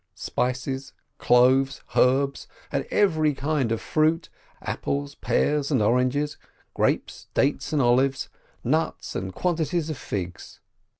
Spices, cloves, herbs, and every kind of fruit — apples, pears, and oranges, grapes, dates, and olives, nuts and quantities of figs.